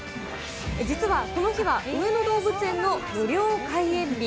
実はこの日は上野動物園の無料開園日。